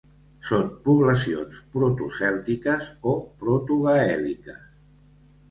Són poblacions protocèltiques o protogaèl·liques.